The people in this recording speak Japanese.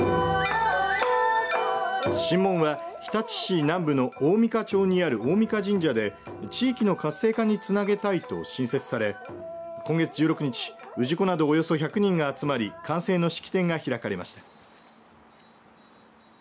神門は日立市南部の大みか町にある大甕神社で地域の活性につなげたいと新設され今月１６日氏子などおよそ１００人が集まり完成の式典が開かれました。